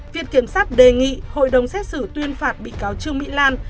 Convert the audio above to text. viện kiểm sát đề nghị hội đồng xét xử tuyên phạt bị cáo trương mỹ lan